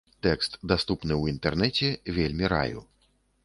Тэкст даступны ў інтэрнэце, вельмі раю.